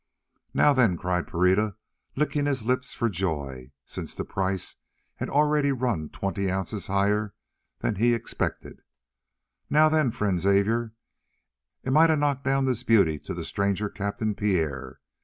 "Now then," cried Pereira, licking his lips for joy, since the price had already run twenty ounces higher than he expected, "Now then, friend Xavier, am I to knock down this beauty to the stranger captain Pierre?